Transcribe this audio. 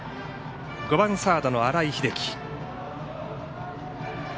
５番、サードの新井瑛喜。